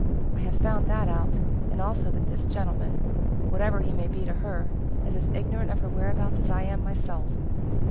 "I have found that out, and also that this gentleman, whatever he may be to her, is as ignorant of her whereabouts as I am myself.